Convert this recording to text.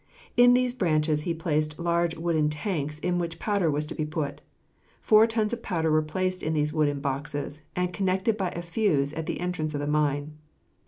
In these branches he placed large wooden tanks in which powder was to be put. Four tons of powder were placed in these wooden boxes, and connected by a fuse at the entrance of the mine.